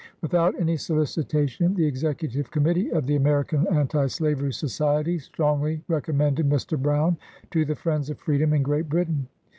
Without any solicitation, the Executive Committee of the American Anti Slavery Society strongly recom mended Mr. Brown to the friends of freedom in Great Britain.